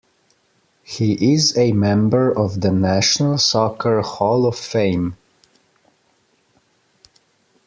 He is a member of the National Soccer Hall of Fame.